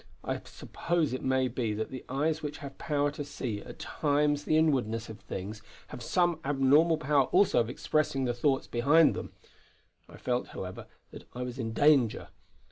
I suppose it may be that the eyes which have power to see at times the inwardness of things have some abnormal power also of expressing the thoughts behind them. I felt, however, that I was in danger.